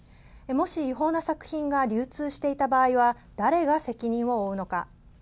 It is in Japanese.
もし、違法な作品が流通していた場合は誰が責任を負うのか。